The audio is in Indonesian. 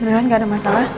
beneran gak ada masalah